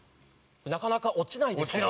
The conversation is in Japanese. なかなか落ちないですよね。